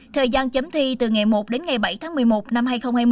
thời gian chấm thi từ ngày một đến ngày bảy tháng một mươi một năm hai nghìn hai mươi